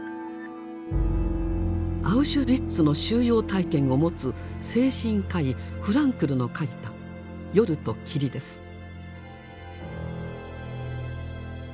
アウシュビッツの収容体験を持つ精神科医フランクルの書いた「夜と霧」です。